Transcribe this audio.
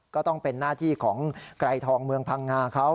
ก็ต้องเป็นหน้าที่ของไกรทองเมืองพังงาเขา